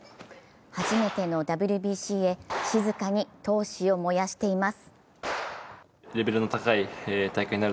初めてのＷＢＣへ静かに闘志を燃やしています。